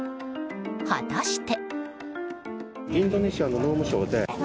果たして。